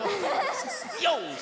よし！